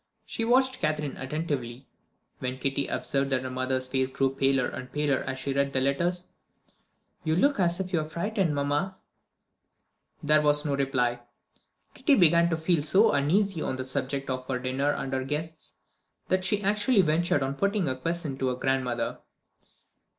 She watched Catherine attentively. Even Kitty observed that her mother's face grew paler and paler as she read the letters. "You look as if you were frightened, mamma." There was no reply. Kitty began to feel so uneasy on the subject of her dinner and her guests, that she actually ventured on putting a question to her grandmother.